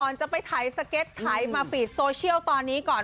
จะไปถ่ายสเก็ตถ่ายมาฟีดโซเชียลตอนนี้ก่อน